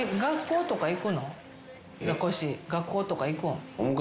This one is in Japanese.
ザコシ学校とか行くん？